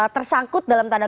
tersangkut dalam tanda